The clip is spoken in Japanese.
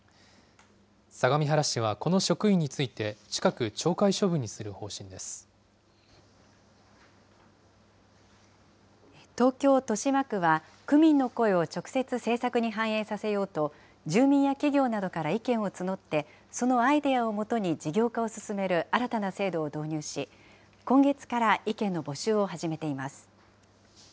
相模原市はこの職員について近く、東京・豊島区は、区民の声を直接、政策に反映させようと、住民や企業などから意見を募って、そのアイデアをもとに事業化を進める新たな制度を導入し、今月から意見の募集を始めています。